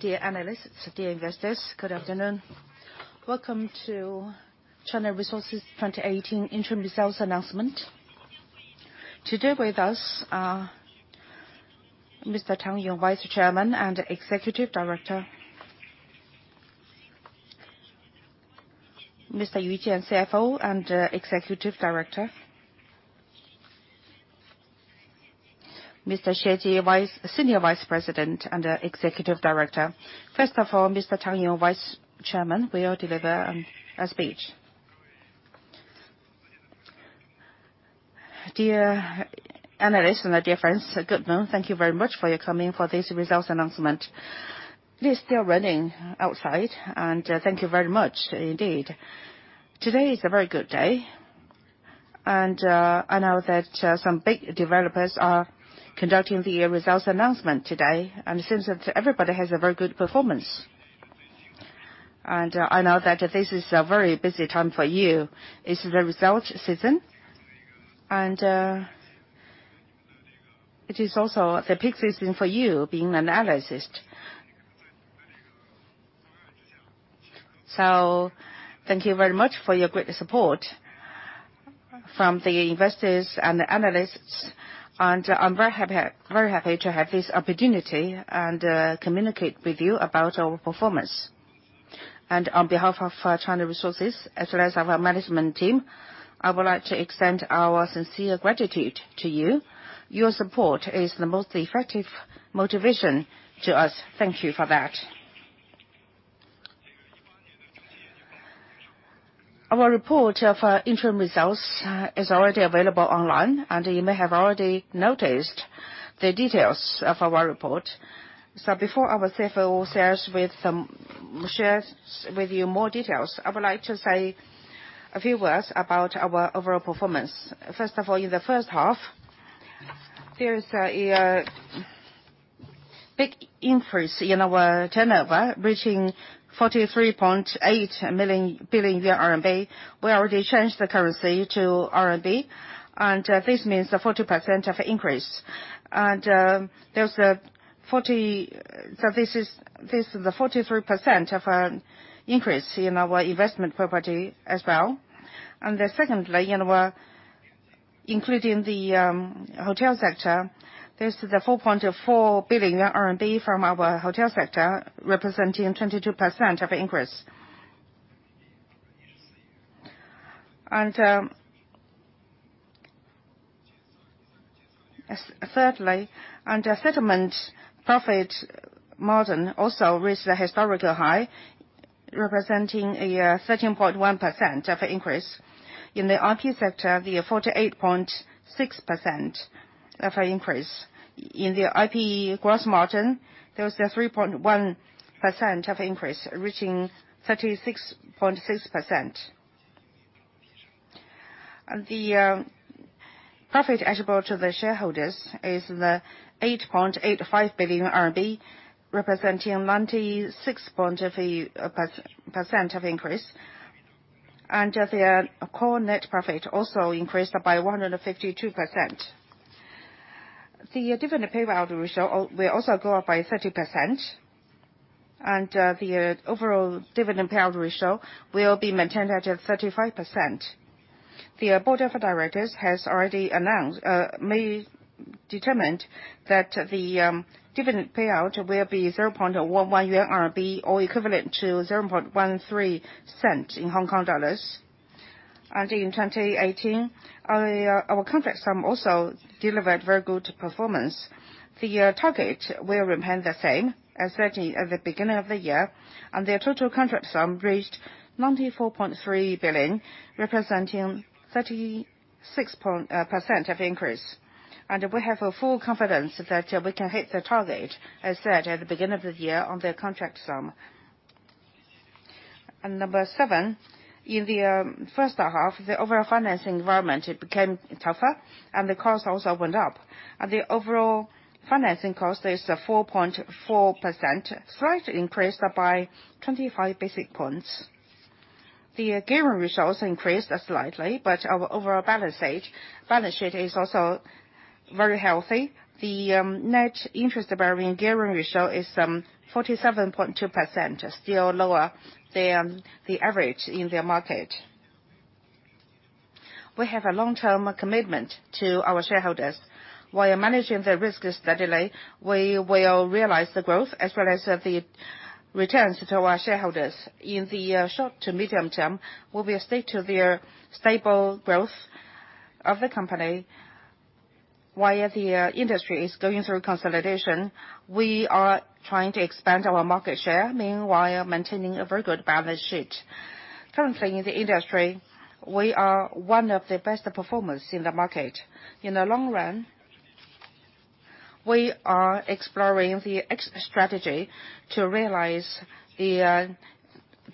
Dear analysts, dear investors, good afternoon. Welcome to China Resources Land 2018 interim results announcement. Today with us are Mr. Tang Yong, Vice Chairman and Executive Director, Mr. Yu Jian, CFO and Executive Director, Mr. Xie Ji, Senior Vice President and Executive Director. First of all, Mr. Tang Yong, Vice Chairman, will deliver a speech. Dear analysts and dear friends, good afternoon. Thank you very much for your coming for this results announcement. It is still raining outside. Thank you very much indeed. Today is a very good day. I know that some big developers are conducting their results announcement today, and it seems that everybody has a very good performance. I know that this is a very busy time for you. It is the results season, and it is also the peak season for you, being an analyst. Thank you very much for your great support from the investors and the analysts. I am very happy to have this opportunity and communicate with you about our performance. On behalf of China Resources Land, as well as our management team, I would like to extend our sincere gratitude to you. Your support is the most effective motivation to us. Thank you for that. Our report of interim results is already available online, and you may have already noticed the details of our report. Before our CFO shares with you more details, I would like to say a few words about our overall performance. First of all, in the first half, there is a big increase in our turnover, reaching 43.8 billion yuan. We already changed the currency to RMB, and this means a 40% of increase. This is the 43% of increase in our investment property as well. Secondly, including the hotel sector, this is the 4.4 billion yuan from our hotel sector, representing 22% of increase. Thirdly, under settlement profit margin also reached a historical high, representing a 13.1% of increase. In the DP sector, the 48.6% of increase. In the DP gross margin, there was a 3.1% of increase, reaching 36.6%. The profit attributable to the shareholders is the 8.85 billion RMB, representing 96.3% of increase. The core net profit also increased by 152%. The dividend payout ratio will also go up by 30%, and the overall dividend payout ratio will be maintained at 35%. The board of directors has already determined that the dividend payout will be 0.11 yuan or equivalent to 0.13. In 2018, our contract sum also delivered very good performance. The target will remain the same as stated at the beginning of the year, and the total contract sum reached 94.3 billion, representing 36% of increase. We have a full confidence that we can hit the target as said at the beginning of the year on the contract sum. Number seven, in the first half, the overall financing environment became tougher and the cost also went up. The overall financing cost is 4.4%, slightly increased by 25 basic points. The gearing ratio increased slightly, but our overall balance sheet is also very healthy. The net interest bearing gearing ratio is 47.2%, still lower than the average in the market. We have a long-term commitment to our shareholders. While managing the risk steadily, we will realize the growth as well as the returns to our shareholders. In the short to medium term, we will stick to the stable growth of the company while the industry is going through consolidation. We are trying to expand our market share, meanwhile maintaining a very good balance sheet. Currently in the industry, we are one of the best performers in the market. In the long run, we are exploring the X strategy to realize the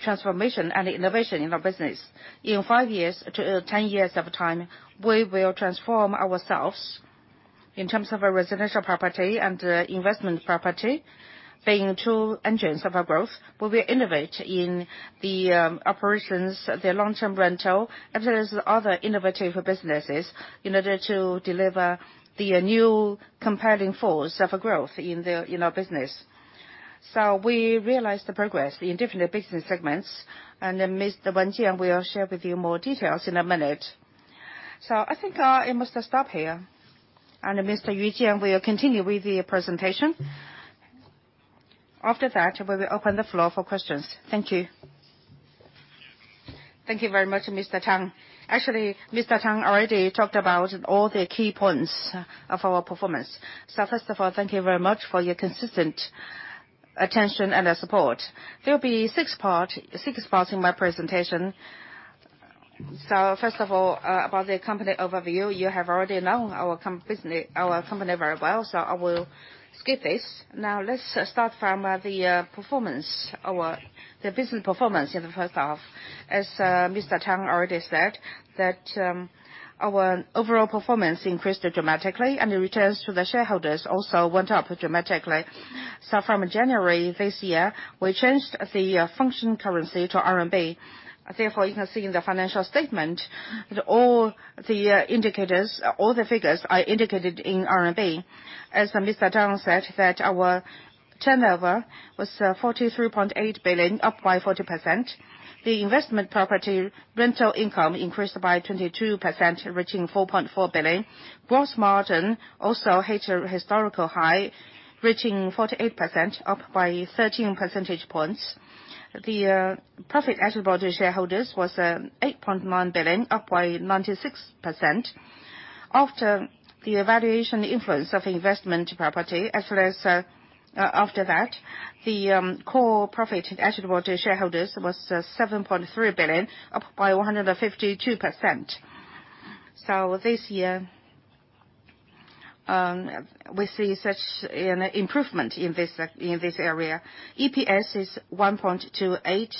transformation and innovation in our business. In five years to 10 years of time, we will transform ourselves in terms of our residential property and investment property being two engines of our growth. We will innovate in the operations, the long-term rental, as well as the other innovative businesses in order to deliver the new compelling force of growth in our business. We realized the progress in different business segments. Mr. Yu Jian will share with you more details in a minute. I think I must stop here. Mr. Yu Jian will continue with the presentation. After that, we will open the floor for questions. Thank you. Thank you very much, Mr. Tang. Actually, Mr. Tang already talked about all the key points of our performance. First of all, thank you very much for your consistent attention and support. There will be six parts in my presentation. First of all, about the company overview. You have already known our company very well, so I will skip this. Let's start from the business performance in the first half. As Mr. Tang already said that our overall performance increased dramatically and the returns to the shareholders also went up dramatically. From January this year, we changed the function currency to RMB. Therefore, you can see in the financial statement that all the figures are indicated in RMB. As Mr. Tang said that our turnover was 43.8 billion, up by 40%. The investment property rental income increased by 22%, reaching 4.4 billion. Gross margin also hit a historical high, reaching 48%, up by 13 percentage points. The profit attributable to shareholders was 8.9 billion, up by 96%. After the evaluation influence of investment property, as well as after that, the core profit attributable to shareholders was 7.3 billion, up by 152%. This year, we see such an improvement in this area. EPS is 1.28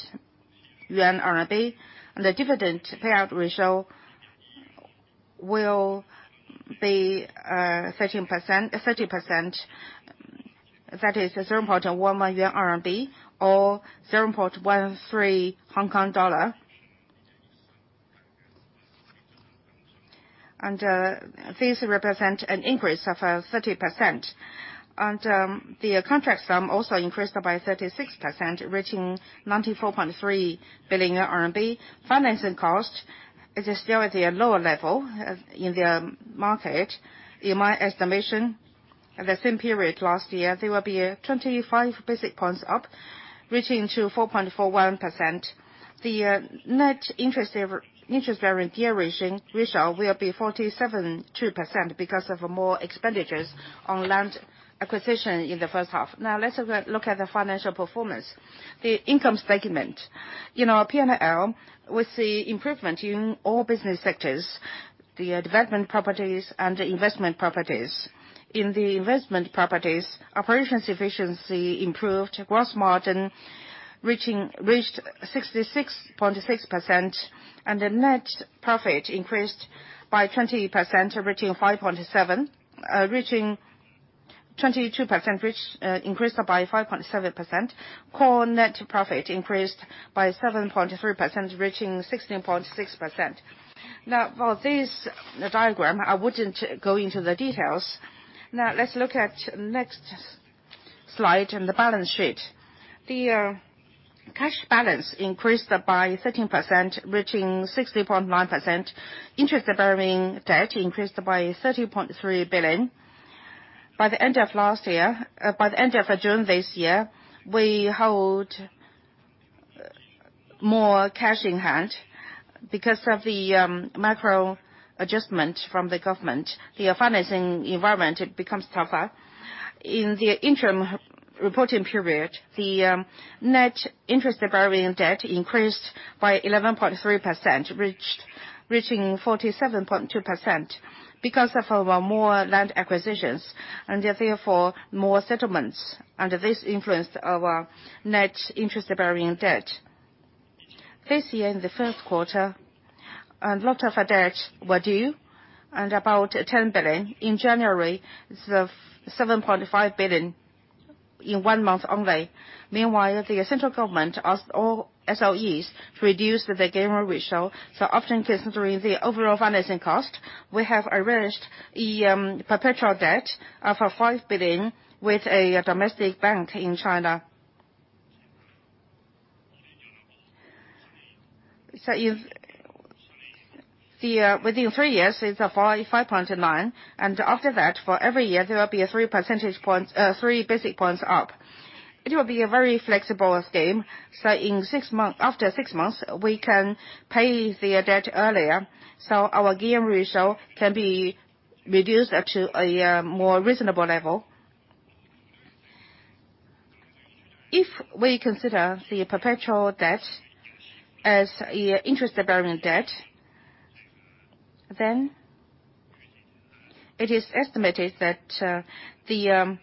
yuan, and the dividend payout ratio will be 30%, that is 0.11 yuan or 0.13 Hong Kong dollar. This represents an increase of 30%. The contract sum also increased by 36%, reaching 94.3 billion RMB. Financing cost is still at a lower level in the market. In my estimation, the same period last year, there will be a 25 basic points up, reaching to 4.41%. The net interest varying gearing ratio will be 47.2% because of more expenditures on land acquisition in the first half. Let's look at the financial performance. The income statement. In our P&L, we see improvement in all business sectors, the development properties and the investment properties. In the investment properties, operations efficiency improved, gross margin reached 66.6%, and the net profit increased by 22%, increased by 5.7%. Core net profit increased by 7.3%, reaching 16.6%. For this diagram, I wouldn't go into the details. Let's look at next slide and the balance sheet. The cash balance increased by 13%, reaching 60.9 billion. Interest-bearing debt increased by 30.3 billion. By the end of June this year, we hold more cash in hand because of the micro adjustment from the government. The financing environment becomes tougher. In the interim reporting period, the net interest-bearing debt increased by 11.3%, reaching 47.2%, because of more land acquisitions and therefore more settlements. This influenced our net interest-bearing debt. This year in the first quarter, a lot of our debt were due and about 10 billion in January, the 7.5 billion in one month only. Meanwhile, the central government asked all SOEs to reduce the gear ratio. Oftentimes during the overall financing cost, we have arranged a perpetual debt of 5 billion with a domestic bank in China. Within three years, it's a 5.9%, and after that, for every year, there will be a three basis points up. It will be a very flexible scheme, after six months, we can pay the debt earlier, so our gear ratio can be reduced to a more reasonable level. If we consider the perpetual debt as interest-bearing debt, it is estimated that the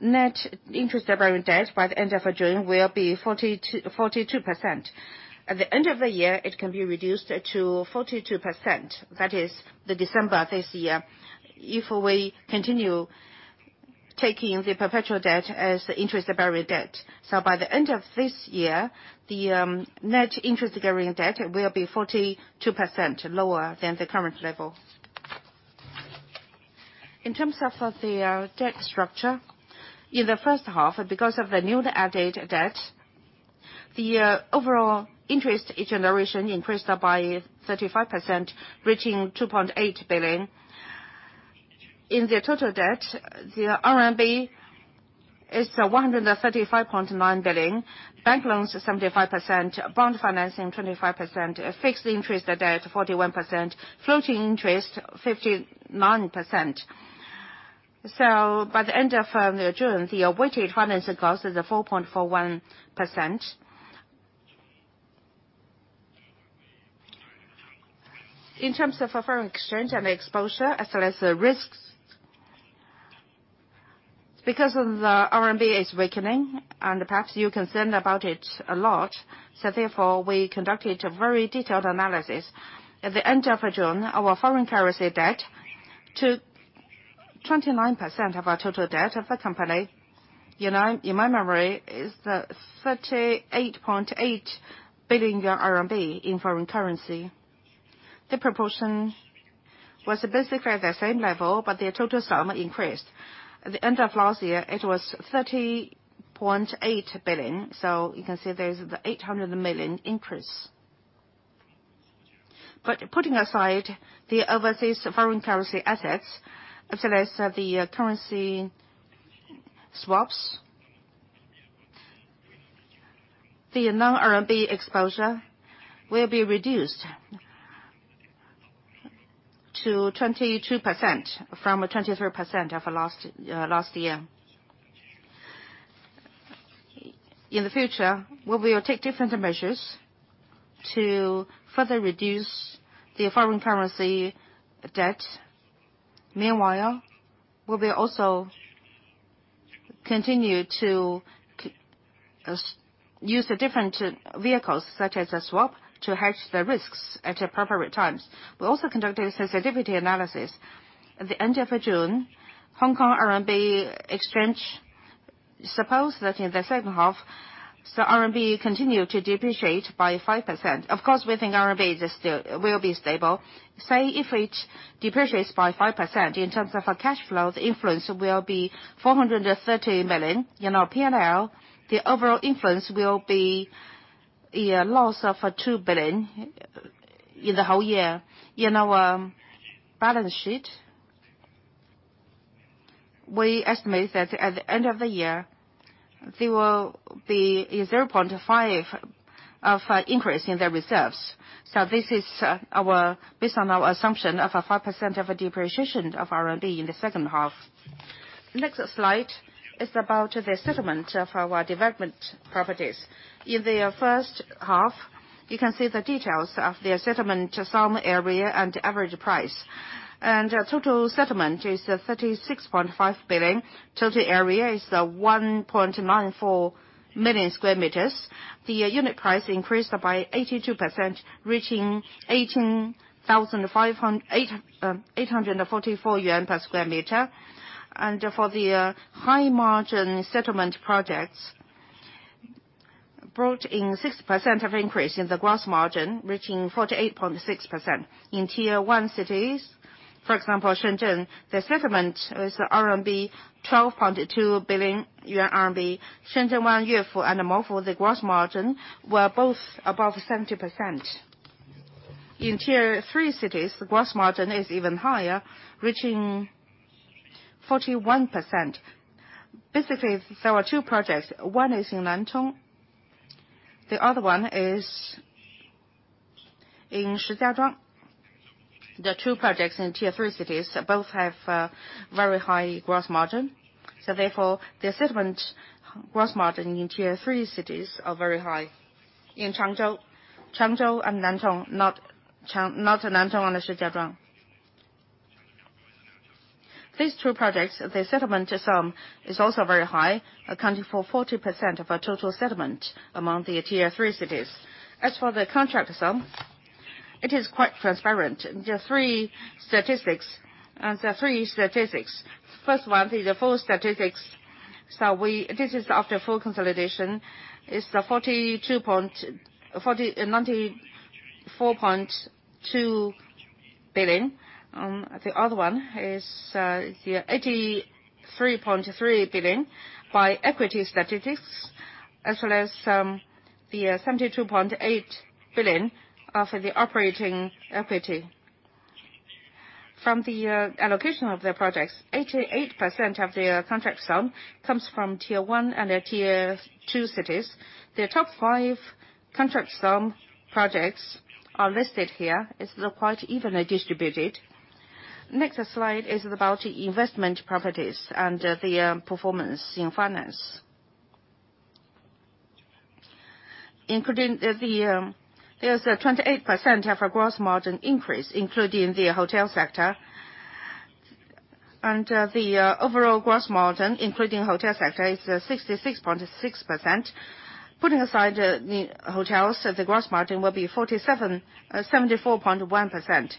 net interest-bearing debt by the end of June will be 42%. At the end of the year, it can be reduced to 42%, that is the December this year, if we continue taking the perpetual debt as interest-bearing debt. By the end of this year, the net interest-bearing debt will be 42% lower than the current level. In terms of the debt structure, in the first half, because of the newly added debt, the overall interest generation increased by 35%, reaching 2.8 billion. In the total debt, the RMB is 135.9 billion RMB, bank loans 75%, bond financing 25%, fixed interest debt 41%, floating interest 59%. By the end of June, the weighted financing cost is 4.41%. In terms of foreign exchange and exposure as well as the risks, because the RMB is weakening and perhaps you are concerned about it a lot, therefore, we conducted a very detailed analysis. At the end of June, our foreign currency debt took 29% of our total debt of the company. In my memory, it's 38.8 billion RMB in foreign currency. The proportion was basically at the same level, but the total sum increased. At the end of last year, it was 30.8 billion. You can see there's 800 million increase. Putting aside the overseas foreign currency assets as well as the currency swaps, the non-RMB exposure will be reduced to 22% from 23% of last year. In the future, we will take different measures to further reduce the foreign currency debt. Meanwhile, we will also continue to use the different vehicles, such as a swap, to hedge the risks at appropriate times. We also conducted a sensitivity analysis. At the end of June, Hong Kong RMB exchange, suppose that in the second half, RMB continued to depreciate by 5%. Of course, we think RMB will be stable. Say, if it depreciates by 5%, in terms of our cash flow, the influence will be 430 million in our P&L. The overall influence will be a loss of 2 billion in the whole year. In our balance sheet, we estimate that at the end of the year, there will be 0.5 of increase in the reserves. This is based on our assumption of a 5% of a depreciation of RMB in the second half. Next slide is about the settlement of our development properties. In the first half, you can see the details of the settlement sum area and average price. Total settlement is 36.5 billion. Total area is 1.94 million sq m. The unit price increased by 82%, reaching 18,844 yuan per sq m. For the high-margin settlement projects, brought in 6% of increase in the gross margin, reaching 48.6%. In Tier 1 cities, for example, Shenzhen, the settlement was RMB 12.2 billion. Shenzhen, one year for animal, for the gross margin were both above 70%. In Tier 3 cities, the gross margin is even higher, reaching 41%. Specifically, there were 2 projects. One is in Nanchong, the other one is in Shijiazhuang. The 2 projects in Tier 3 cities both have very high gross margin. Therefore, the settlement gross margin in Tier 3 cities are very high. In Changzhou and Nanchong, not Nanchong and Shijiazhuang. These 2 projects, the settlement sum is also very high, accounting for 40% of our total settlement among the Tier 3 cities. As for the contract sum, it is quite transparent. There are 3 statistics. First one is the full statistics. This is after full consolidation, is 94.2 billion. The other one is the 83.3 billion by equity statistics, as well as the 72.8 billion of the operating equity. From the allocation of the projects, 88% of the contract sum comes from Tier 1 and Tier 2 cities. The top 5 contract sum projects are listed here. It's quite evenly distributed. Next slide is about investment properties and their performance in finance. There's a 28% of our gross margin increase, including the hotel sector. The overall gross margin, including hotel sector, is 66.6%. Putting aside the hotels, the gross margin will be 74.1%.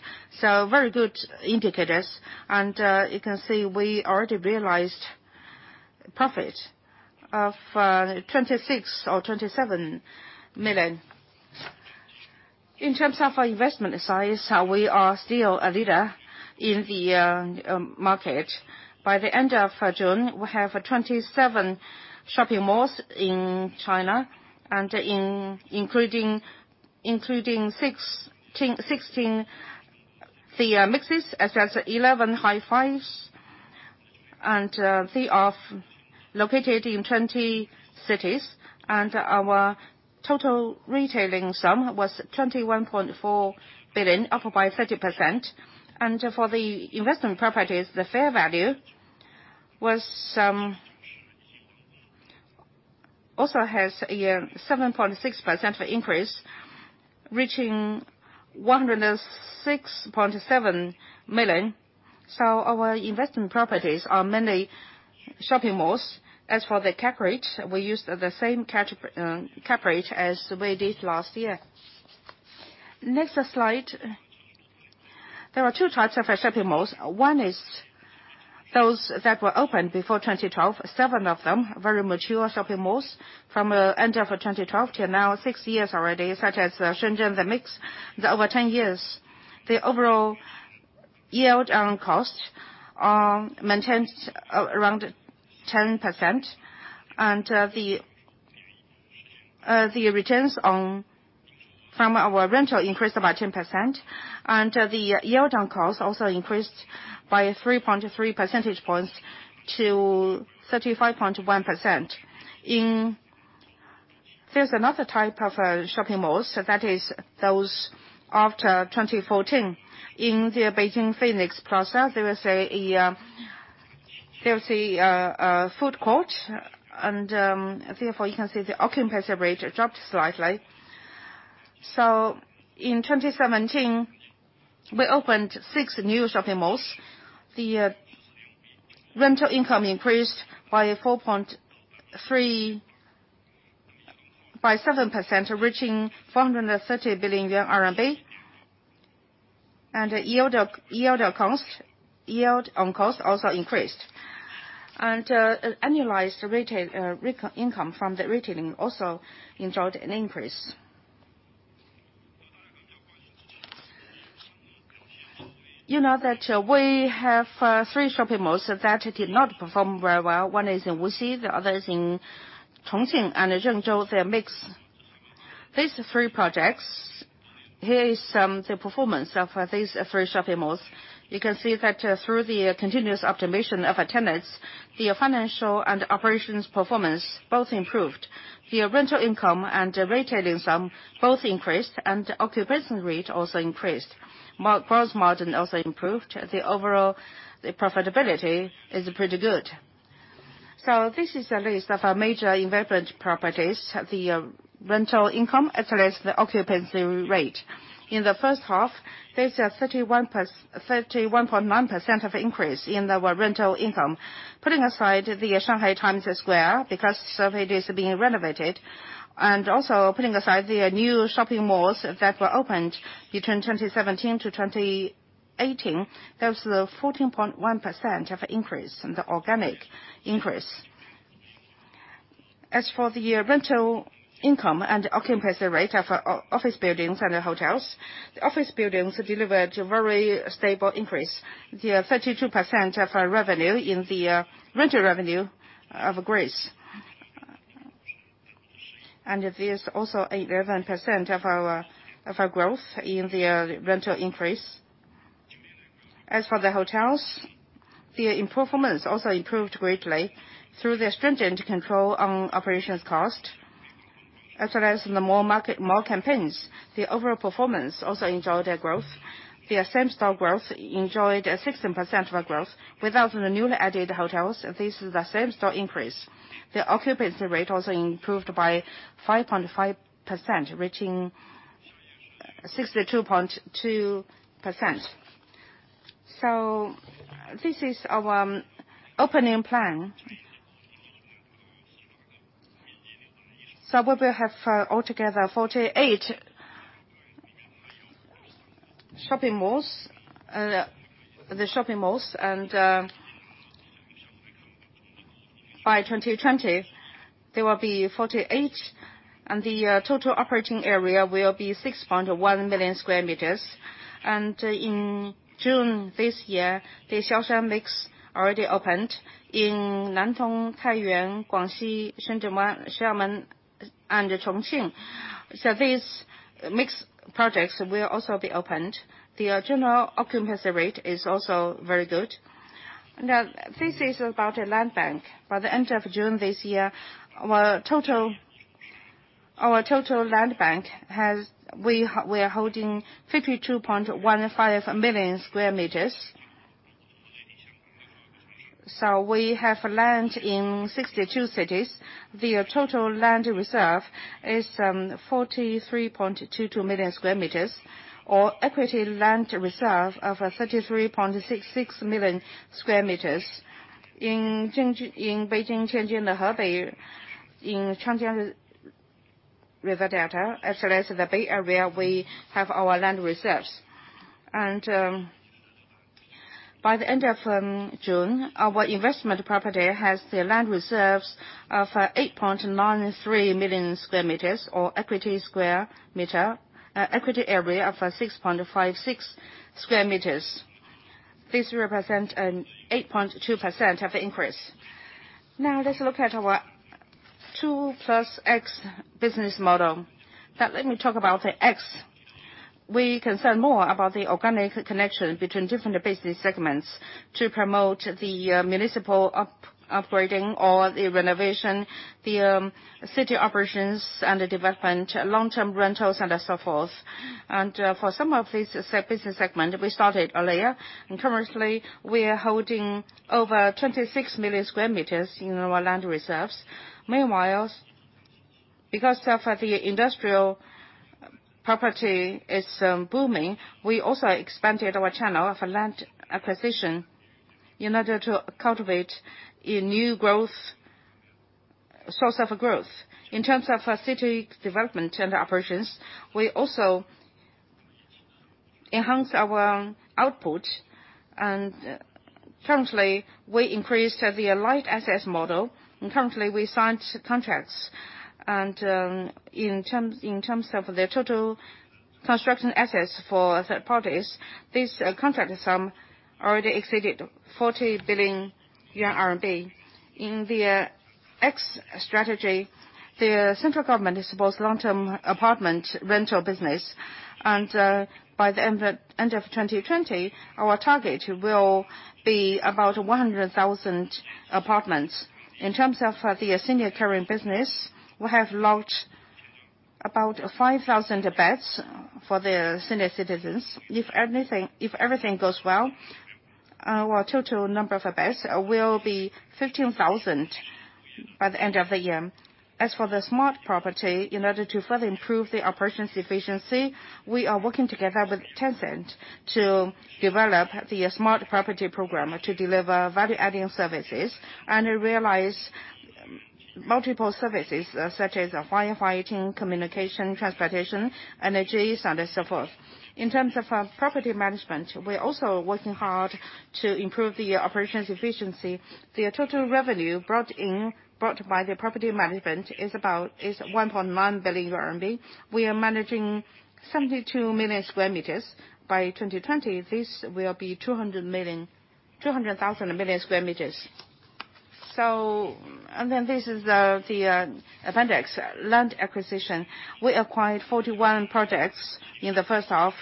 Very good indicators. You can see we already realized profit of 26 million or 27 million. In terms of our investment size, we are still a leader in the market. By the end of June, we have 27 shopping malls in China, including 16 The MixCs, as well as 11 Hi 5s, and 3 are located in 20 cities. Our total retailing sum was 21.4 billion, up by 30%. For the investment properties, the fair value also has a 7.6% increase, reaching 106.7 million. Our investment properties are mainly shopping malls. As for the cap rate, we used the same cap rate as we did last year. Next slide. There are 2 types of our shopping malls. One is those that were opened before 2012, 7 of them, very mature shopping malls. From end of 2012 to now, 6 years already, such as Shenzhen The MixC, over 10 years, the overall yield on cost maintains around 10%. The returns from our rental increased about 10%, and the yield on cost also increased by 3.3 percentage points to 35.1%. There's another type of shopping malls, that is those after 2014. In the Beijing Phoenix City Shopping Mall, there is a food court, therefore you can see the occupancy rate dropped slightly. In 2017, we opened 6 new shopping malls. The rental income increased by 7%, reaching 430 billion yuan. Yield on cost also increased. Annualized income from the retailing also enjoyed an increase. You know that we have 3 shopping malls that did not perform very well. One is in Wuxi, the other is in Chongqing and Zhengzhou, The MixC. These three projects. Here is the performance of these three shopping malls. You can see that through the continuous optimization of attendance, the financial and operations performance both improved. The rental income and the retailing sum both increased. The occupancy rate also increased. Gross margin also improved. The overall profitability is pretty good. This is a list of our major investment properties, the rental income, as well as the occupancy rate. In the first half, there is a 31.9% increase in the rental income. Putting aside the China Resources Times Square, because it is being renovated, and also putting aside the new shopping malls that were opened between 2017 to 2018, there was a 14.1% increase in the organic increase. As for the rental income and the occupancy rate of office buildings and hotels, the office buildings delivered very stable increase. The 32% of revenue in the rental revenue has raised. There is also 11% of our growth in the rental increase. As for the hotels, the performance also improved greatly through the stringent control on operations cost, as well as the mall campaigns. The overall performance also enjoyed a growth. The same-store growth enjoyed a 16% growth. Without the newly added hotels, this is the same-store increase. The occupancy rate also improved by 5.5%, reaching 62.2%. This is our opening plan. We will have altogether 48 shopping malls, and by 2020, there will be 48, and the total operating area will be 6.1 million sq m. In June this year, the Chongchuan MixC already opened in Nantong, Taiyuan, Guangxi, Shenzhen, Xiamen, and Chongqing. These MixC projects will also be opened. The general occupancy rate is also very good. This is about our land bank. By the end of June this year, our total land bank, we are holding 52.15 million sq m. We have land in 62 cities. The total land reserve is 43.22 million sq m, or equity land reserve of 33.66 million sq m. In Beijing-Tianjin-Hebei, in Yangtze River Delta, as well as the Bay Area, we have our land reserves. By the end of June, our investment property has the land reserves of 8.93 million sq m or equity area of 6.56 sq m. This represents an 8.2% increase. Let us look at our 2+X business model. Let me talk about the X. We concern more about the organic connection between different business segments to promote the municipal upgrading or the renovation, the city operations and the development, long-term rentals, and so forth. For some of this business segment, we started earlier, and currently, we are holding over 26 million sq m in our land reserves. Meanwhile, because of the industrial property is booming, we also expanded our channel of land acquisition in order to cultivate a new source of growth. In terms of city development and operations, we also enhanced our output, and currently, we increased the light-asset model, and currently, we signed contracts. In terms of the total construction assets for third parties, this contract sum already exceeded 40 billion yuan. In the 2+X strategy, the central government supports long-term apartment rental business, and by the end of 2020, our target will be about 100,000 apartments. In terms of the senior caring business, we have launched about 5,000 beds for the senior citizens. If everything goes well, our total number of beds will be 15,000 by the end of the year. As for the smart property, in order to further improve the operations efficiency, we are working together with Tencent to develop the smart property program to deliver value-adding services and realize multiple services, such as fire fighting, communication, transportation, energies, and so forth. In terms of property management, we're also working hard to improve the operations efficiency. The total revenue brought by the property management is 1.9 billion RMB. We are managing 72 million sq m. By 2020, this will be 200 billion sq m. Then this is the appendix land acquisition. We acquired 41 projects in the first half,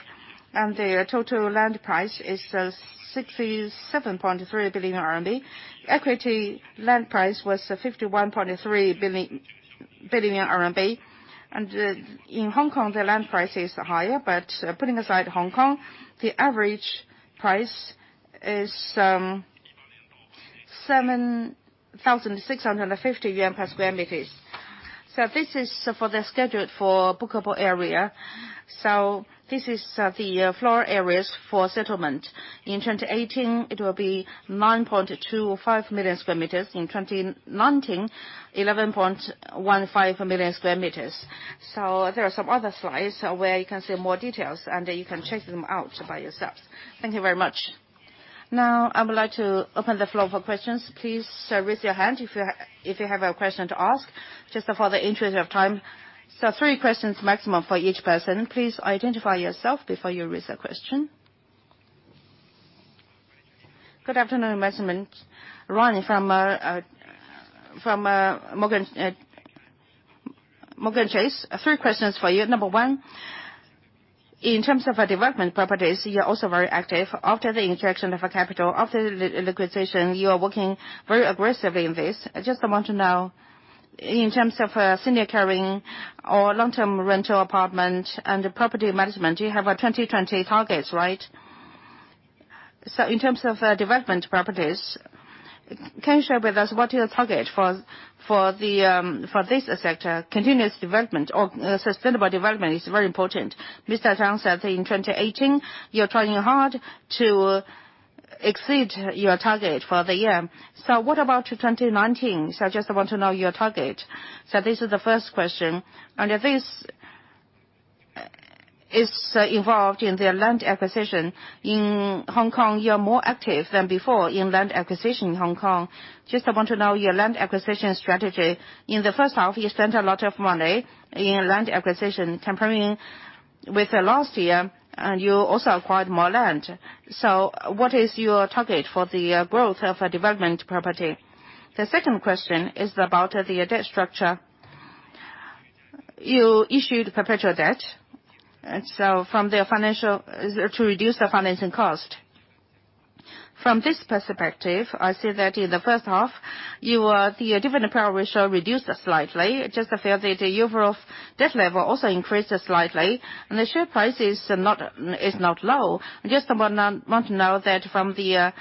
and the total land price is 67.3 billion RMB. Equity land price was 51.3 billion, and in Hong Kong, the land price is higher. Putting aside Hong Kong, the average price is some 7,650 yuan per sq m. This is for the scheduled for bookable area. This is the floor areas for settlement. In 2018, it will be 9.25 million sq m. In 2019, 11.15 million sq m. There are some other slides where you can see more details, and you can check them out by yourselves. Thank you very much. Now I would like to open the floor for questions. Please raise your hand if you have a question to ask, just for the interest of time. Three questions maximum for each person. Please identify yourself before you raise a question. Good afternoon, investment. Ronnie from JPMorgan Chase. Three questions for you. Number 1, in terms of development properties, you're also very active after the injection of a capital, after the liquidation, you are working very aggressively in this. I just want to know, in terms of senior caring or long-term rental apartment and property management, you have a 2020 targets, right? In terms of development properties, can you share with us what your target for this sector? Continuous development or sustainable development is very important. Mr. Tang said in 2018 you're trying hard to exceed your target for the year. What about 2019? I just want to know your target. This is the first question, and this is involved in the land acquisition. In Hong Kong, you are more active than before in land acquisition in Hong Kong. Just I want to know your land acquisition strategy. In the first half, you spent a lot of money in land acquisition comparing with last year. You also acquired more land. What is your target for the growth of a development property? The second question is about the debt structure. You issued perpetual debt to reduce the financing cost. From this perspective, I see that in the first half, the dividend payout ratio reduced slightly. Just I feel that the overall debt level also increased slightly, and the share price is not low. I just want to know that from the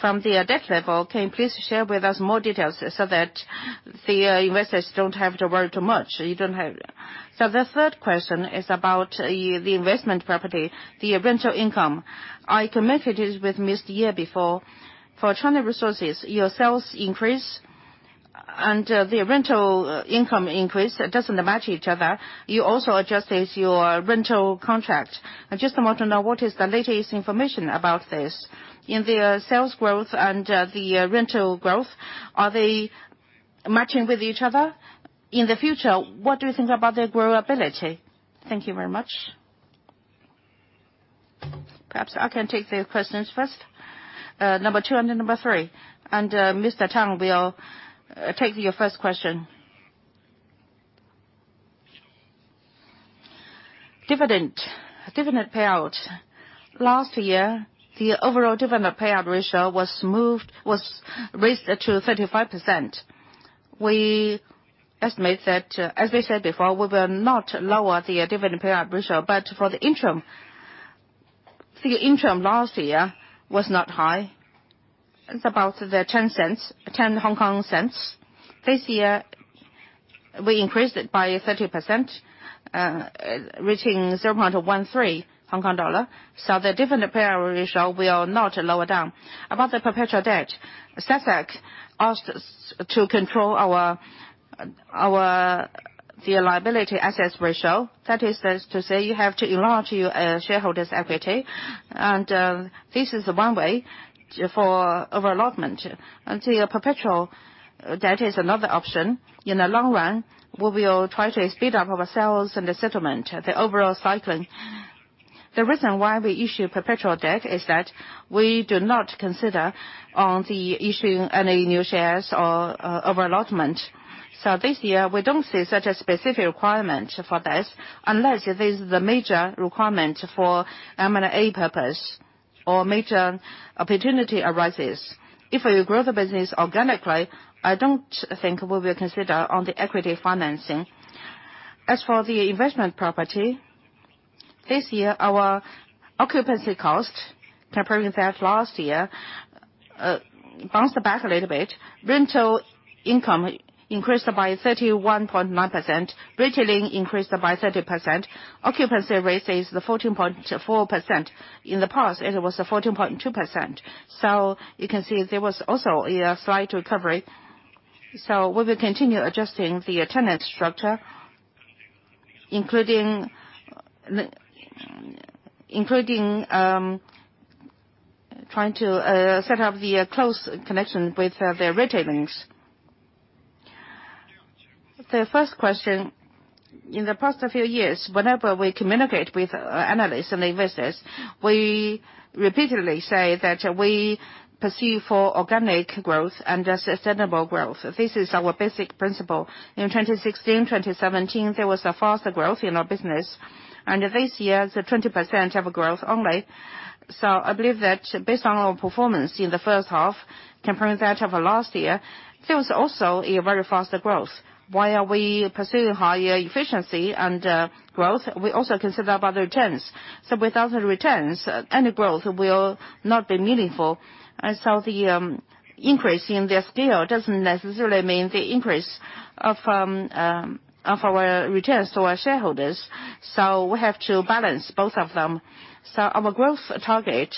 debt level, can you please share with us more details so that the investors don't have to worry too much? The third question is about the investment property, the rental income. I committed with Mr. Ye before, for China Resources, your sales increased. The rental income increase doesn't match each other. You also adjusted your rental contract. I just want to know what is the latest information about this. In the sales growth and the rental growth, are they matching with each other? In the future, what do you think about their growability? Thank you very much. Perhaps I can take the questions first, number 2 and number 3, and Mr. Tang will take your first question. Dividend payout. Last year, the overall dividend payout ratio was raised to 35%. We estimate that, as we said before, we will not lower the dividend payout ratio, but for the interim. The interim last year was not high. It's about 0.10. This year, we increased it by 30%, reaching 0.13 Hong Kong dollar. The dividend payout ratio will not lower down. About the perpetual debt, SASAC asked us to control our liability and assets ratio. That is to say, you have to enlarge your shareholders' equity. This is one way for overallotment. The perpetual debt is another option. In the long run, we will try to speed up our sales and the settlement, the overall cycling. The reason why we issue perpetual debt is that we do not consider on the issuing any new shares or overallotment. This year, we don't see such a specific requirement for this unless there's the major requirement for M&A purpose or major opportunity arises. If we grow the business organically, I don't think we will consider on the equity financing. As for the investment property, this year, our occupancy cost, comparing that last year, bounced back a little bit. Rental income increased by 31.9%. Retailing increased by 30%. Occupancy rate is 14.4%. In the past, it was 14.2%. You can see there was also a slight recovery. We will continue adjusting the tenant structure, including trying to set up the close connection with the retailings. The first question, in the past few years, whenever we communicate with analysts and investors, we repeatedly say that we pursue for organic growth and sustainable growth. This is our basic principle. In 2016, 2017, there was a faster growth in our business. This year, it's 20% of growth only. I believe that based on our performance in the first half, comparing that of last year, there was also a very faster growth. While we pursue higher efficiency and growth, we also consider about the returns. Without the returns, any growth will not be meaningful. The increase in the scale doesn't necessarily mean the increase of our returns to our shareholders. We have to balance both of them. Our growth target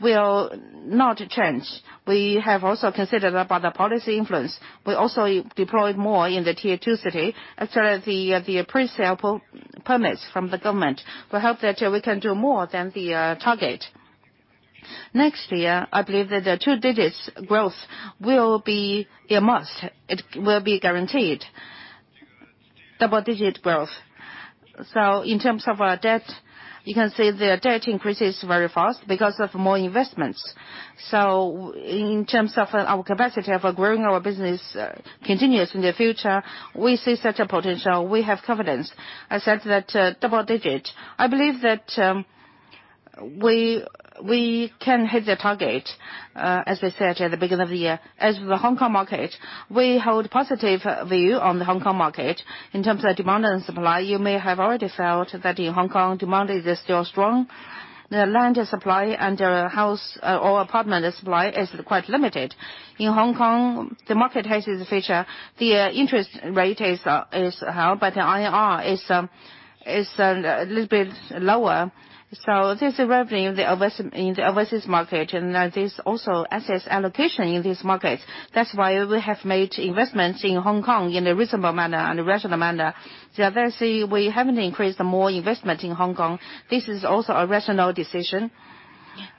will not change. We have also considered about the policy influence. We also deployed more in the tier 2 city after the pre-sale permits from the government. We hope that we can do more than the target. Next year, I believe that the 2 digits growth will be a must. It will be guaranteed double-digit growth. In terms of our debt, you can see the debt increases very fast because of more investments. In terms of our capacity of growing our business continuous in the future, we see such a potential. We have confidence. I said that double digit, I believe that we can hit the target, as I said at the beginning of the year. As the Hong Kong market, we hold positive view on the Hong Kong market in terms of demand and supply. You may have already felt that in Hong Kong, demand is still strong. The land supply and house or apartment supply is quite limited. In Hong Kong, the market has the feature, the interest rate is held, but the IOR is a little bit lower. This is revenue in the overseas market, and there is also assets allocation in this market. That is why we have made investments in Hong Kong in a reasonable manner and a rational manner. We haven't increased more investment in Hong Kong. This is also a rational decision.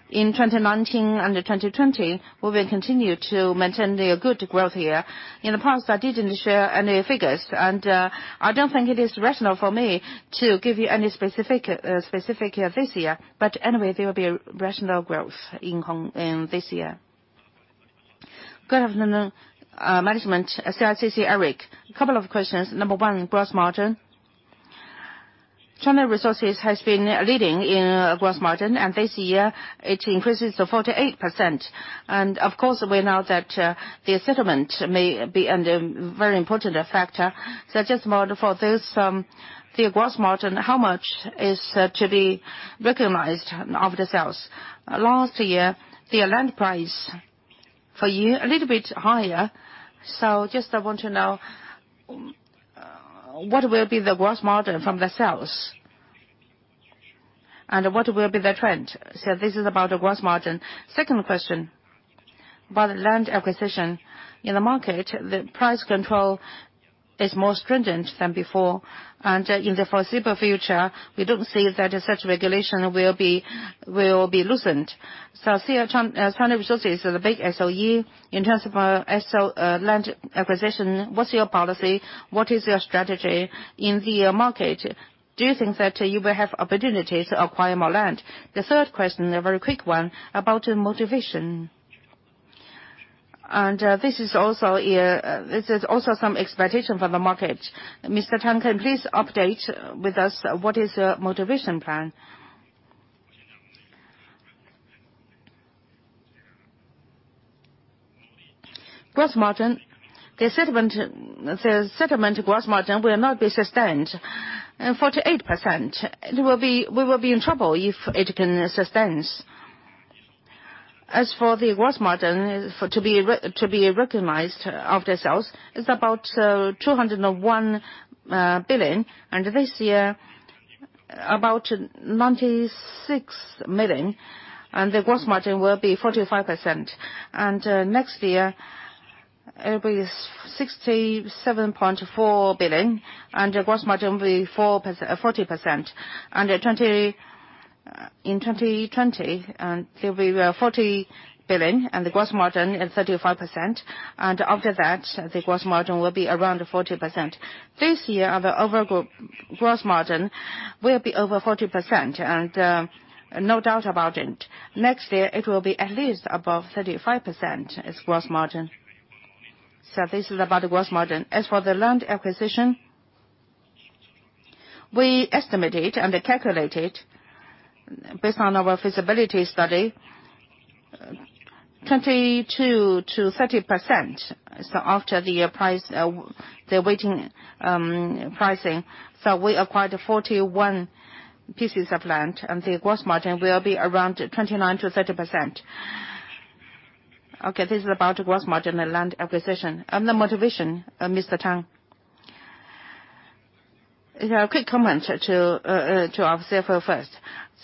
In 2019 and 2020, we will continue to maintain the good growth here. In the past, I didn't share any figures, and I don't think it is rational for me to give you any specific this year. Anyway, there will be a rational growth in this year. Good afternoon, management. CICC, Eric. A couple of questions. Number one, gross margin. China Resources has been leading in gross margin, and this year it increases to 48%. Of course, we know that the settlement may be a very important factor. I just wonder for this, the gross margin, how much is to be recognized of the sales? Last year, the land price for you, a little bit higher. Just I want to know what will be the gross margin from the sales? What will be the trend? This is about the gross margin. Second question, about land acquisition. In the market, the price control is more stringent than before, and in the foreseeable future, we don't see that such regulation will be loosened. China Resources is a big SOE in terms of land acquisition. What is your policy? What is your strategy in the market? Do you think that you will have opportunities to acquire more land? The third question, a very quick one, about motivation. This is also some expectation from the market. Mr. Tang Yong, please update with us what is your motivation plan. Gross margin. The settlement gross margin will not be sustained, 48%. We will be in trouble if it can sustain. As for the gross margin to be recognized after sales, it is about 201 billion. This year, about 96 million. The gross margin will be 45%. Next year, it will be 67.4 billion, and the gross margin will be 40%. In 2020, it will be 40 billion, and the gross margin is 35%. After that, the gross margin will be around 40%. This year, the overall gross margin will be over 40%, and no doubt about it. Next year, it will be at least above 35% as gross margin. This is about the gross margin. As for the land acquisition, we estimated and calculated based on our feasibility study, 22%-30% after the weighting pricing. We acquired 41 pieces of land, and the gross margin will be around 29%-30%. This is about gross margin and land acquisition. The motivation, Mr. Tang Yong. A quick comment to our CFO first.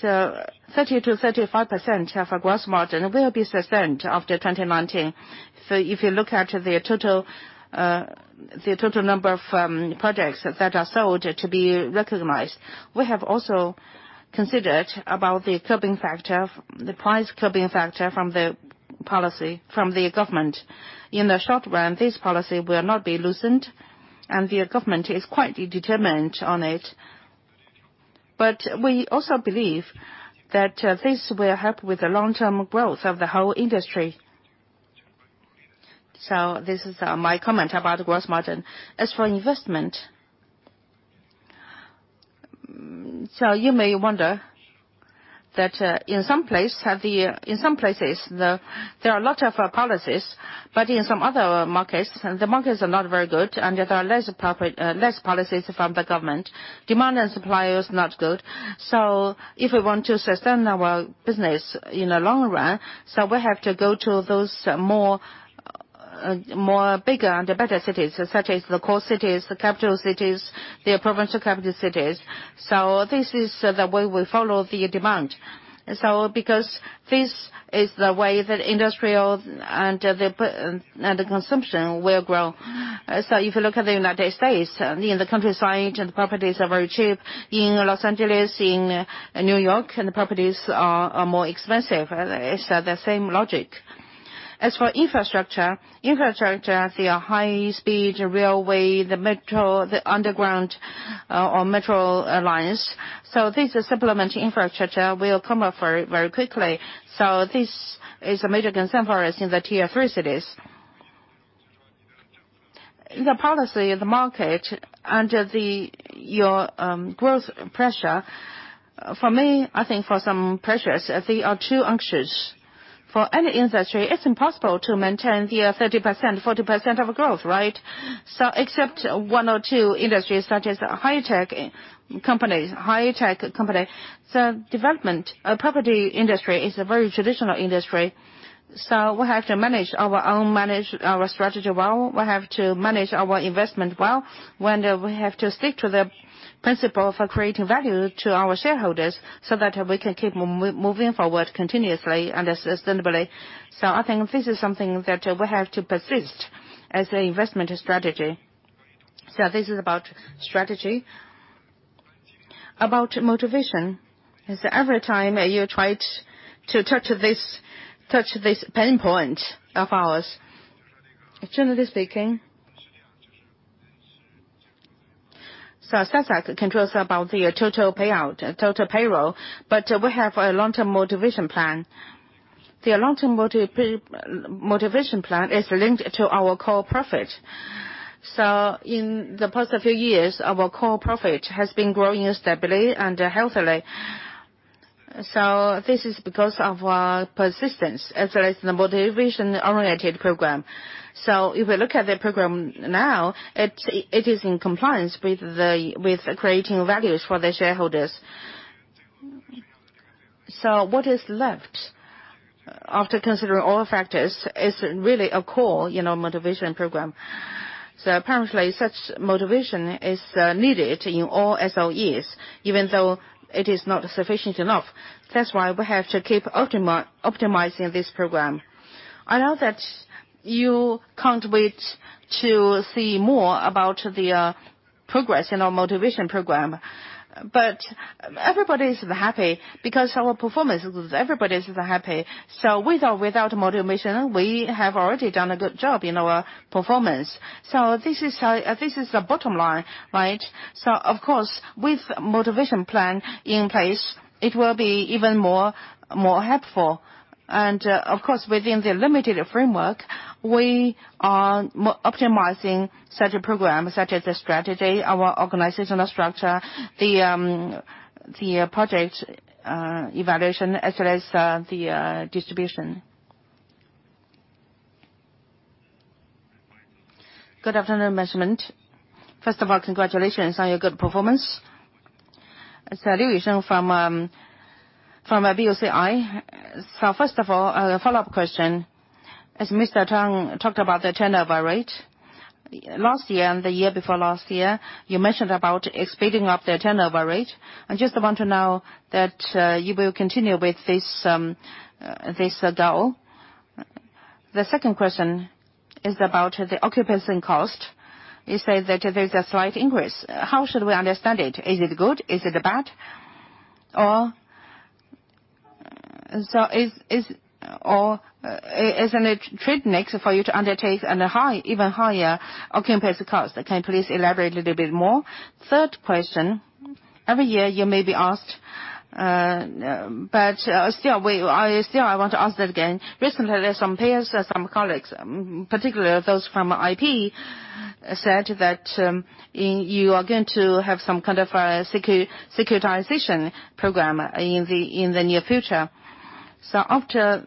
30%-35% of our gross margin will be sustained after 2019. If you look at the total number of projects that are sold to be recognized, we have also considered about the curbing factor, the price curbing factor from the policy, from the government. In the short run, this policy will not be loosened, and the government is quite determined on it. We also believe that this will help with the long-term growth of the whole industry. This is my comment about gross margin. As for investment, you may wonder that in some places there are a lot of policies, but in some other markets, the markets are not very good, and there are less policies from the government. Demand and supply is not good. If we want to sustain our business in the long run, we have to go to those more bigger and better cities, such as the core cities, the capital cities, the provincial capital cities. This is the way we follow the demand. Because this is the way that industrial and the consumption will grow. If you look at the U.S., in the countryside, the properties are very cheap. In L.A., in N.Y., the properties are more expensive. It's the same logic. As for infrastructure, the high-speed railway, the metro, the underground or metro lines. This supplement infrastructure will come up very quickly. This is a major concern for us in the tier 3 cities. The policy, the market, and your growth pressure. For me, I think for some pressures, they are too anxious. For any industry, it's impossible to maintain the 30%, 40% of growth, right? Except one or two industries, such as high-tech companies. Development, property industry is a very traditional industry. We have to manage our strategy well. We have to manage our investment well. We have to stick to the principle for creating value to our shareholders, that we can keep moving forward continuously and sustainably. I think this is something that we have to persist as the investment strategy. This is about strategy. About motivation, is every time you try to touch this pain point of ours, generally speaking. SASAC controls about the total payout, total payroll, but we have a long-term motivation plan. The long-term motivation plan is linked to our core profit. In the past few years, our core profit has been growing steadily and healthily. This is because of our persistence, as well as the motivation-oriented program. If you look at the program now, it is in compliance with creating values for the shareholders. What is left? After considering all factors, it's really a core motivation program. Apparently, such motivation is needed in all SOEs, even though it is not sufficient enough. That's why we have to keep optimizing this program. I know that you can't wait to see more about the progress in our motivation program, but everybody is happy because our performance is good, everybody is happy. With or without motivation, we have already done a good job in our performance. This is the bottom line, right? Of course, with a motivation plan in place, it will be even more helpful. Of course, within the limited framework, we are optimizing such a program, such as the strategy, our organizational structure, the project evaluation, as well as the distribution. Good afternoon, management. First of all, congratulations on your good performance. It's Liu Yuqing from BOCI. First of all, a follow-up question. As Mr. Tang talked about the turnover rate, last year and the year before last year, you mentioned about speeding up the turnover rate. I just want to know that you will continue with this goal. The second question is about the occupancy cost. You said that there is a slight increase. How should we understand it? Is it good? Is it bad? Or isn't it a trade next for you to undertake an even higher occupancy cost? Can you please elaborate a little bit more? Third question, every year you may be asked, but still I want to ask that again. Recently, there's some peers, some colleagues, particularly those from IP, said that you are going to have some kind of a securitization program in the near future. After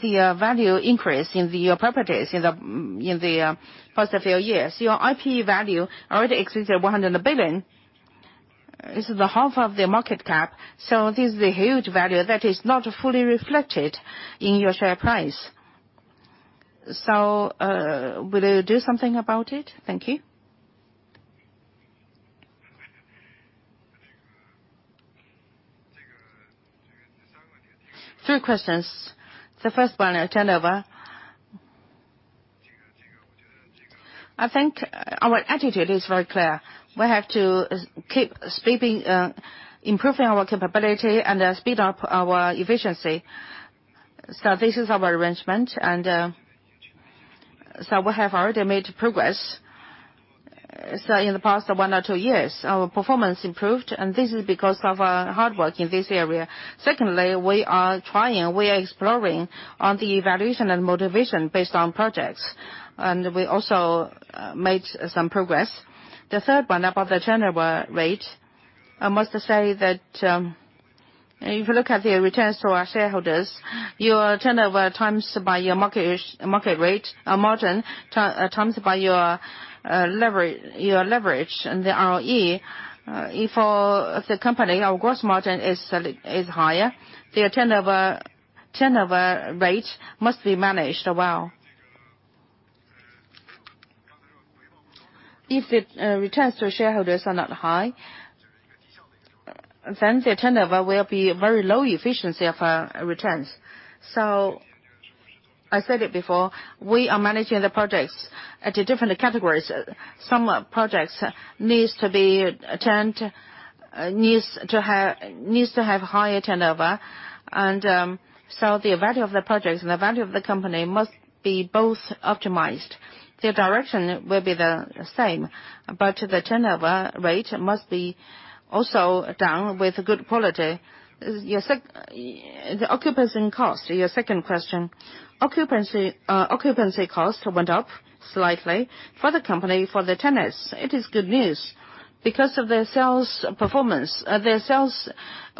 the value increase in your properties in the first of few years, your IP value already exceeds 100 billion. This is the half of the market cap, so this is a huge value that is not fully reflected in your share price. Will you do something about it? Thank you. Three questions. The first one, turnover. I think our attitude is very clear. We have to keep improving our capability and speed up our efficiency. This is our arrangement, we have already made progress. In the past one or two years, our performance improved, and this is because of our hard work in this area. Secondly, we are trying, we are exploring on the evaluation and motivation based on projects. We also made some progress. The third one about the turnover rate, I must say that if you look at the returns to our shareholders, your turnover times by your market rate, our margin times by your leverage and the ROE. If the company, our gross margin is higher, the turnover rate must be managed well. If the returns to shareholders are not high, the turnover will be very low efficiency of our returns. I said it before, we are managing the projects at different categories. Some projects needs to have higher turnover, the value of the projects and the value of the company must be both optimized. The direction will be the same, the turnover rate must be also done with good quality. The occupancy cost, your second question. Occupancy cost went up slightly for the company, for the tenants. It is good news because of the sales performance. The sales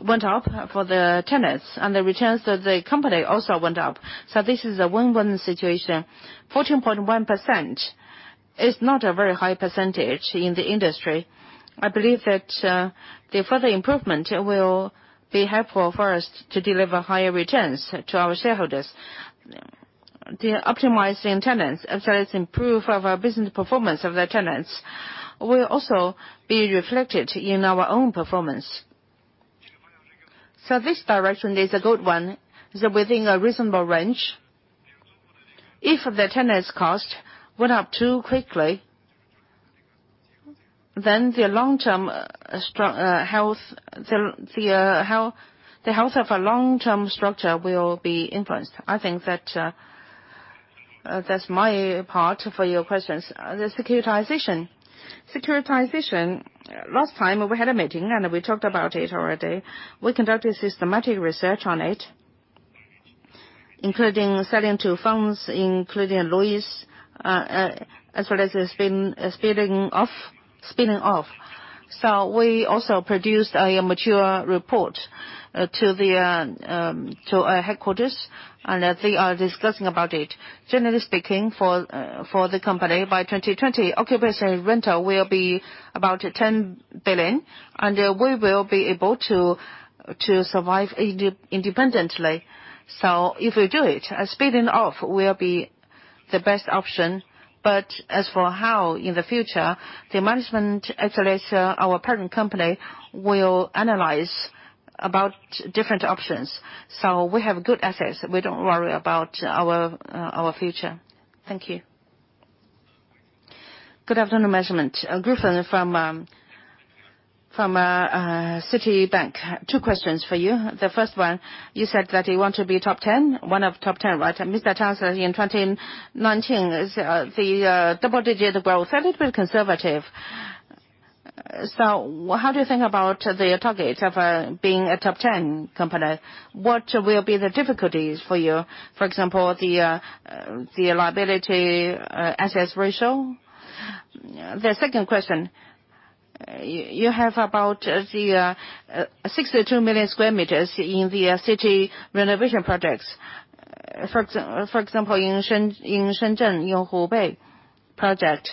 went up for the tenants, and the returns to the company also went up. This is a win-win situation. 14.1% is not a very high percentage in the industry. I believe that the further improvement will be helpful for us to deliver higher returns to our shareholders. The optimizing tenants, as well as improve our business performance of the tenants, will also be reflected in our own performance. This direction is a good one, within a reasonable range. If the tenants' cost went up too quickly, the health of our long-term structure will be influenced. I think that's my part for your questions. The securitization. Securitization, last time we had a meeting, and we talked about it already. We conducted systematic research on it, including selling to firms, including lawyers, as well as spinning off. We also produced a mature report to our headquarters, and they are discussing about it. Generally speaking, for the company, by 2020, occupancy rental will be about 10 billion, and we will be able to survive independently. If we do it, spinning off will be the best option. As for how in the future, the management, actually our parent company, will analyze about different options. We have good assets. We don't worry about our future. Thank you. Good afternoon, management. Griffin from Citibank. Two questions for you. The first one, you said that you want to be one of top 10, right? Mr. Tang said in 2019, the double-digit growth. Is that a bit conservative? How do you think about the target of being a top 10 company? What will be the difficulties for you? For example, the liability assets ratio? The second question, you have about 62 million sq m in the city renovation projects. For example, in Shenzhen, in Hubei Village project,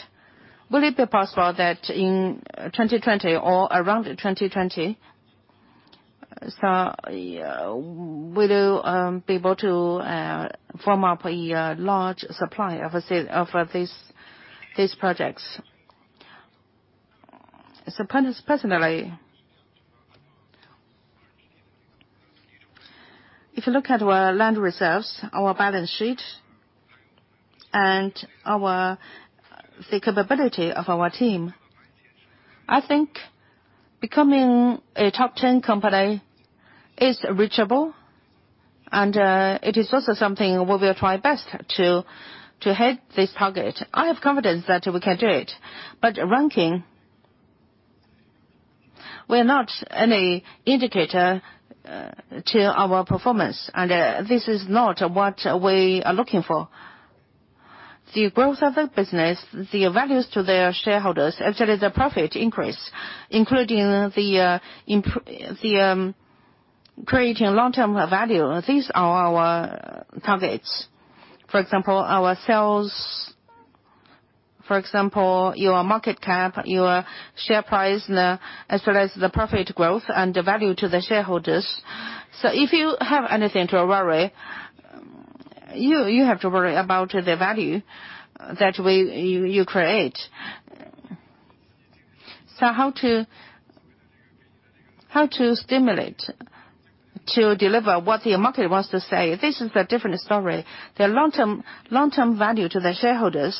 will it be possible that in 2020 or around 2020, will you be able to form up a large supply of these projects? Personally, if you look at our land reserves, our balance sheet, and the capability of our team, I think becoming a top 10 company is reachable and it is also something we will try best to hit this target. I have confidence that we can do it, but ranking, we are not any indicator to our performance, and this is not what we are looking for. The growth of the business, the values to their shareholders, actually the profit increase, including creating long-term value. These are our targets. For example, our sales, for example, your market cap, your share price, as well as the profit growth and the value to the shareholders. If you have anything to worry, you have to worry about the value that you create. How to stimulate to deliver what the market wants to say? This is a different story. The long-term value to the shareholders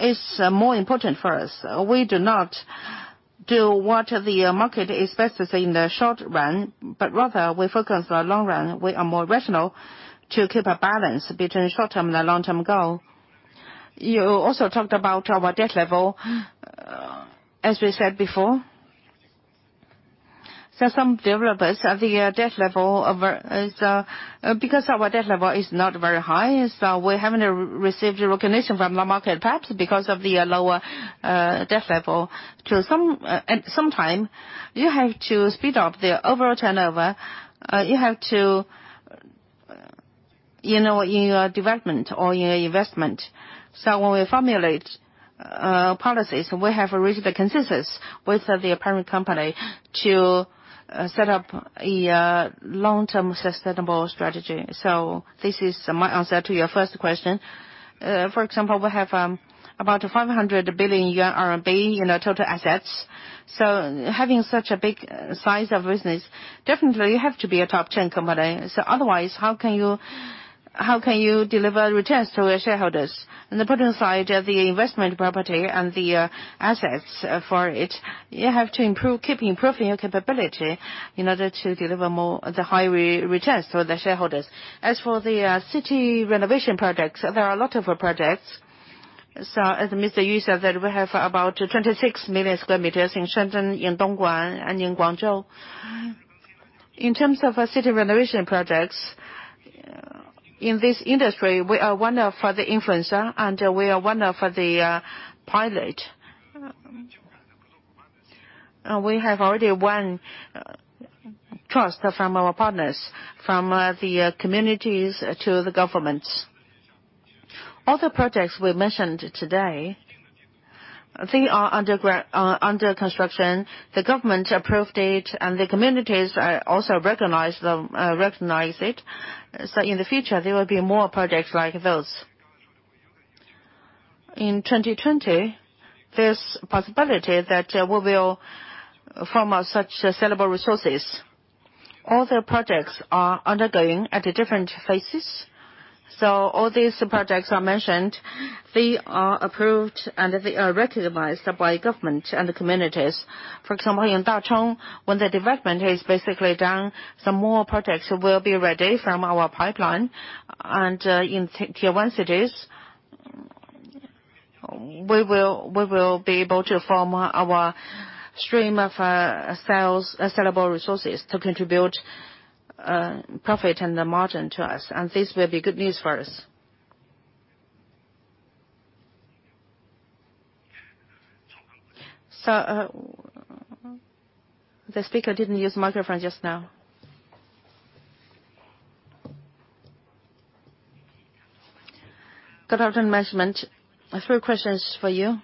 is more important for us. We do not do what the market expects in the short run, but rather we focus on the long run. We are more rational to keep a balance between short-term and long-term goal. You also talked about our debt level. As we said before, some developers of the debt level, because our debt level is not very high, we haven't received recognition from the market, perhaps because of the lower debt level. Sometimes, you have to speed up the overall turnover in your development or in your investment. When we formulate policies, we have reached a consensus with the parent company to set up a long-term sustainable strategy. This is my answer to your first question. For example, we have about 500 billion yuan in our total assets. Having such a big size of business, definitely you have to be a top 10 company. Otherwise, how can you deliver returns to the shareholders? On the bottom side of the investment property and the assets for it, you have to keep improving your capability in order to deliver more the high returns for the shareholders. As for the city renovation projects, there are a lot of projects. As Mr. Yu said that we have about 26 million sq m in Shenzhen, in Dongguan, and in Guangzhou. In terms of our city renovation projects, in this industry, we are one for the influencer and we are one for the pilot. We have already won trust from our partners, from the communities to the governments. Other projects we mentioned today, they are under construction. The government approved it and the communities also recognize it. In the future, there will be more projects like those. In 2020, there's possibility that we will form such sellable resources. Other projects are undergoing at different phases. All these projects are mentioned. They are approved and they are recognized by government and the communities. For example, in Dachong, when the development is basically done, some more projects will be ready from our pipeline. In tier 1 cities, we will be able to form our stream of sellable resources to contribute profit and the margin to us, and this will be good news for us. The speaker didn't use microphone just now. Good afternoon, management. A few questions for you.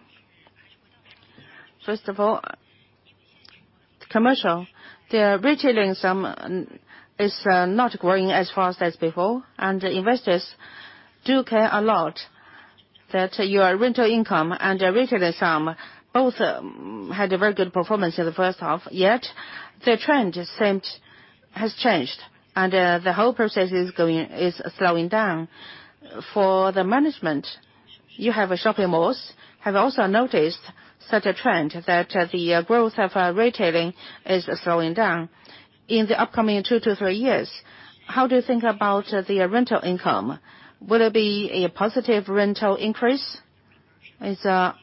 First of all, commercial. The retailing sum is not growing as fast as before. Investors do care a lot that your rental income and retailing sum both had a very good performance in the first half, yet the trend has changed, and the whole process is slowing down. For the management, you have shopping malls, have also noticed such a trend, that the growth of retailing is slowing down. In the upcoming two to three years, how do you think about the rental income? Will it be a positive rental increase? It's a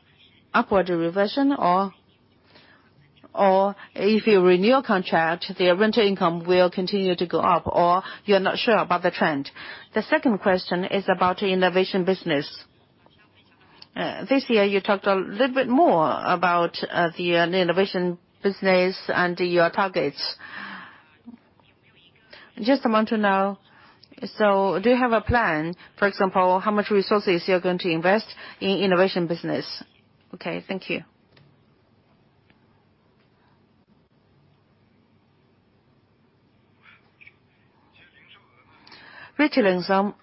upward revision? If you renew a contract, the rental income will continue to go up, or you're not sure about the trend? The second question is about innovation business. This year, you talked a little bit more about the innovation business and your targets. Just want to know, do you have a plan, for example, how much resources you're going to invest in innovation business? Okay, thank you. Retailing sum.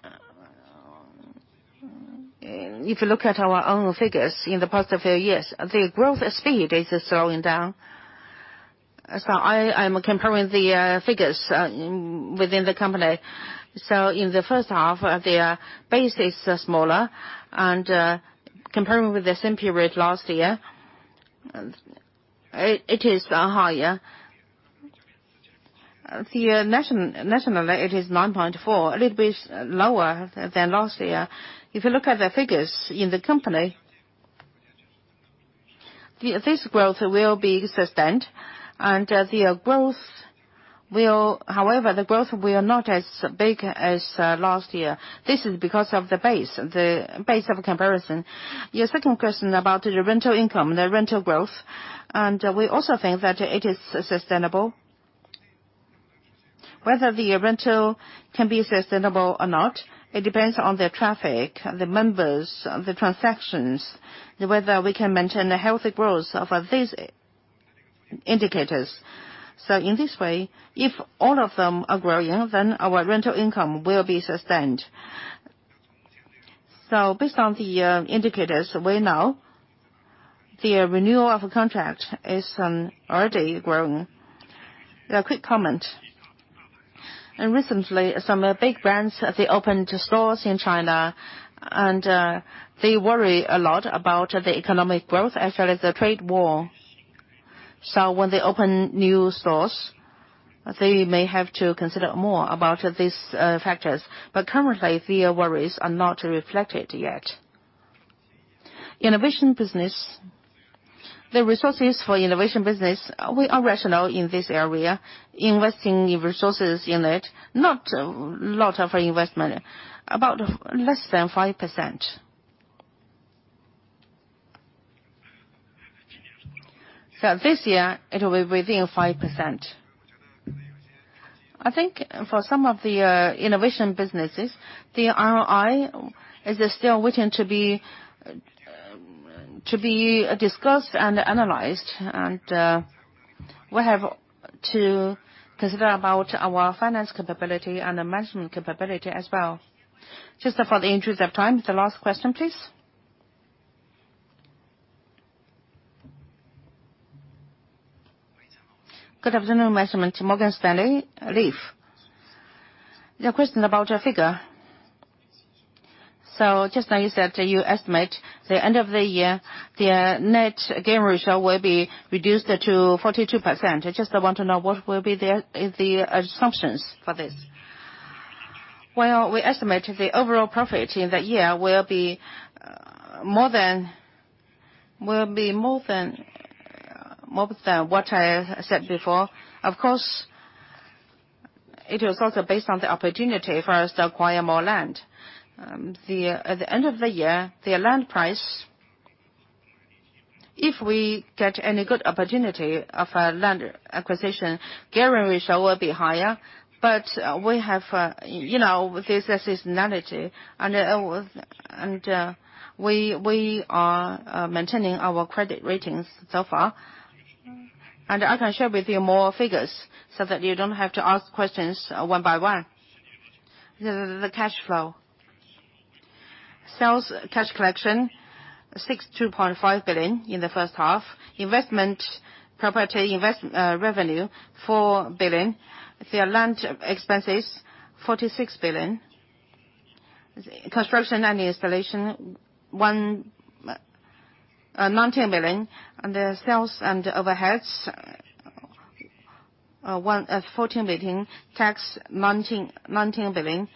If you look at our own figures in the past few years, the growth speed is slowing down. I'm comparing the figures within the company. In the first half, the base is smaller. Comparing with the same period last year, it is higher. Nationally, it is 9.4, a little bit lower than last year. If you look at the figures in the company, this growth will be sustained, and the growth will not as big as last year. This is because of the base, the base of comparison. Your second question about the rental income, the rental growth. We also think that it is sustainable. Whether the rental can be sustainable or not, it depends on the traffic, the members, the transactions, and whether we can maintain the healthy growth of these indicators. In this way, if all of them are growing, then our rental income will be sustained. Based on the indicators, we know the renewal of contract is already growing. A quick comment. Recently, some big brands, they opened stores in China. They worry a lot about the economic growth as well as the trade war. When they open new stores, they may have to consider more about these factors. Currently, their worries are not reflected yet. Innovation business. The resources for innovation business, we are rational in this area, investing resources in it, not a lot of investment, about less than 5%. This year, it will be within 5%. I think for some of the innovation businesses, the ROI is still waiting to be discussed and analyzed. We have to consider about our finance capability and management capability as well. Just for the interest of time, the last question, please. Good afternoon, management. Morgan Stanley, Leif. A question about your figure. Just now you said that you estimate the end of the year, the net gain ratio will be reduced to 42%. I just want to know what will be the assumptions for this? We estimate the overall profit in the year will be more than what I said before. Of course, it was also based on the opportunity for us to acquire more land. At the end of the year, the land price, if we get any good opportunity of a land acquisition, gain ratio will be higher. We have this seasonality, and we are maintaining our credit ratings so far. I can share with you more figures so that you don't have to ask questions one by one. The cash flow. Sales cash collection, 62.5 billion in the first half. Investment property invest revenue, 4 billion. The land expenses, 46 billion. Construction and installation, 19 billion. Sales and overheads, 14 billion. Tax, 19 billion.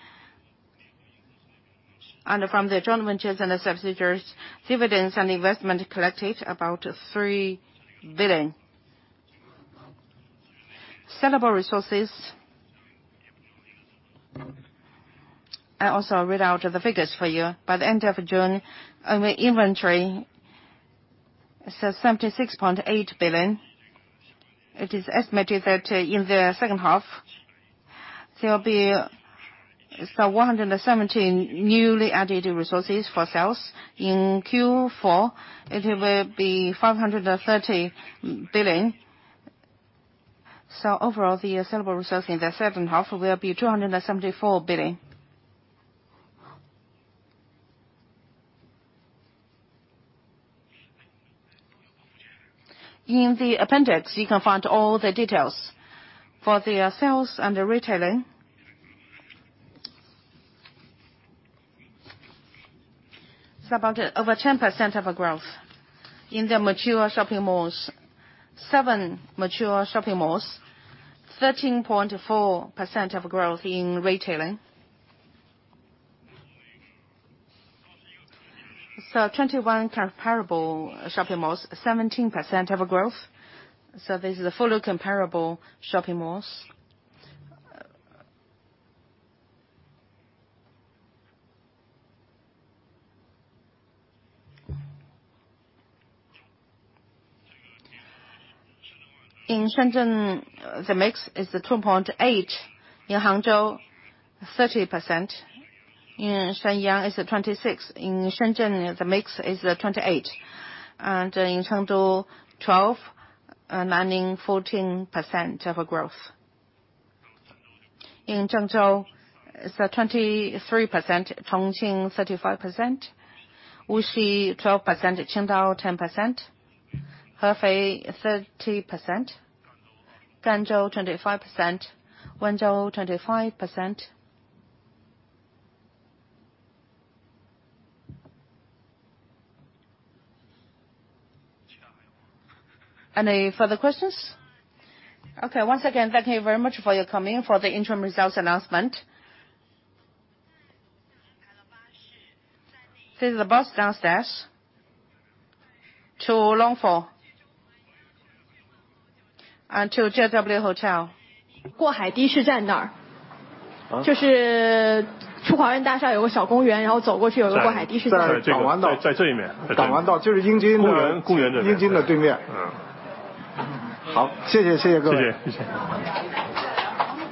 From the joint ventures and the subsidiaries, dividends and investment collected, about 3 billion. Sellable resources. I also read out the figures for you. By the end of June, our inventory is 76.8 billion. It is estimated that in the second half, there will be 117 newly added resources for sales. In Q4, it will be 530 billion. Overall, the sellable resources in the second half will be 274 billion. In the appendix, you can find all the details. For the sales and the retailing, it's about over 10% of growth in the mature shopping malls. Seven mature shopping malls, 13.4% of growth in retailing. 21 comparable shopping malls, 17% of growth. This is the full comparable shopping malls. In Shenzhen, the mix is 2.8%, in Hangzhou 30%, in Shenyang is 26%, in Shenzhen, the mix is 28%, in Chengdu 12%, Nanning 14% of growth. In Zhengzhou, it's 23%, Chongqing 35%, Wuxi 12%, Qingdao 10%, Hefei 30%, Guangzhou 25%, Wenzhou 25%. Any further questions? Okay. Once again, thank you very much for your coming for the interim results announcement. There's a bus downstairs to Longfor and to JW Hotel.